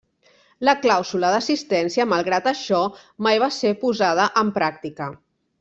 La clàusula d'assistència, malgrat això, mai va ser posada en pràctica.